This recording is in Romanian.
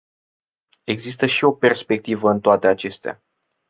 Există și o perspectivă în toate acestea.